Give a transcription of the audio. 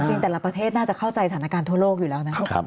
แต่ละประเทศน่าจะเข้าใจสถานการณ์ทั่วโลกอยู่แล้วนะครับ